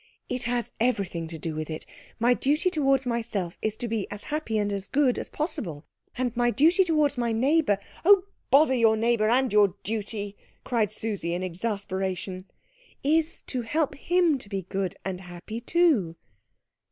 "It has everything to do with it my duty towards myself is to be as happy and as good as possible, and my duty towards my neighbour " "Oh, bother your neighbour and your duty!" cried Susie in exasperation. " is to help him to be good and happy too."